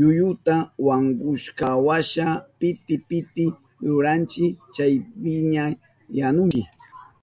Yuyuta wankushkanwasha piti piti ruranchi chaypiña yanunchi.